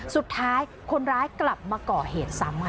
สุดท้ายคนร้ายกลับมาก่อเหตุซ้ำค่ะ